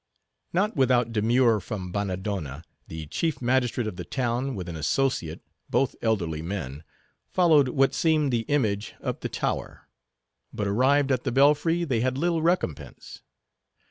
Not without demur from Bannadonna, the chief magistrate of the town, with an associate—both elderly men—followed what seemed the image up the tower. But, arrived at the belfry, they had little recompense.